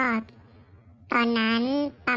อายุก็ราว๑๘๑๙ได้ครับผมเพื่อนพาไป